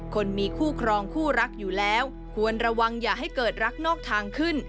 คนมีคู่ครองคู่รักอยู่แล้วควรระวังอย่าให้เกิดรักนอกทางขึ้น